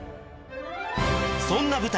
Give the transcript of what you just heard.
そんな舞台